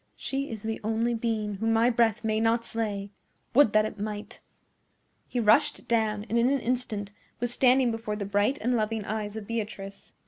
"She is the only being whom my breath may not slay! Would that it might!" He rushed down, and in an instant was standing before the bright and loving eyes of Beatrice.